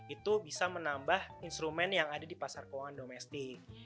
itu bisa menambah instrumen yang ada di pasar keuangan domestik